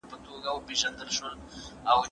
د لمر ګل حاصلات په دې لمرمنه سیمه کې ډیر دي.